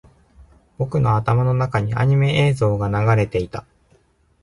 僕の頭の中にアニメの映像が流れていた